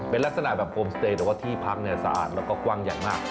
เป็นลักษณะแบบโฮมสเตย์แต่ว่าที่พักเนี่ยสะอาดแล้วก็กว้างใหญ่มาก